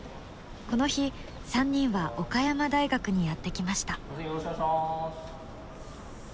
この日３人は岡山大学にやって来ました。